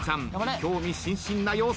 興味津々な様子。